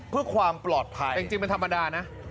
เพื่อความปลอดภัยแต่จริงเป็นธรรมดานะ